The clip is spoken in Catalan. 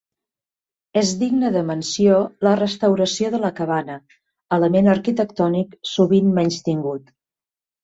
És digne de menció la restauració de la cabana, element arquitectònic sovint menystingut.